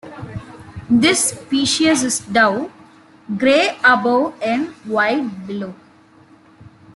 This species is dove grey above and white below.